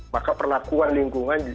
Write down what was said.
maka perlakuan lingkungan